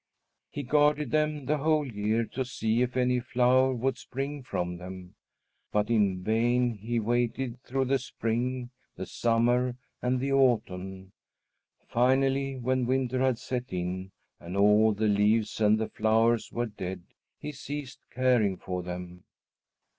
He guarded them the whole year to see if any flower would spring from them. But in vain he waited through the spring, the summer, and the autumn. Finally, when winter had set in and all the leaves and the flowers were dead, he ceased caring for them.